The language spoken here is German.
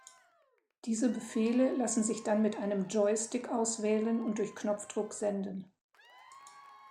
Diese Befehle lassen sich dann mit einem Joystick auswählen und durch Knopfdruck senden.